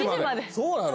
そうなの？